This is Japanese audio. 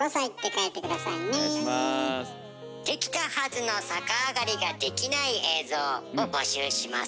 できたはずのさかあがりができない映像を募集します。